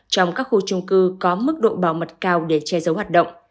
trong các khu trung cư có mức độ bảo mật cao để che giấu hoạt động